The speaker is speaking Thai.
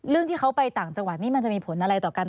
ที่เขาไปต่างจังหวัดนี่มันจะมีผลอะไรต่อกัน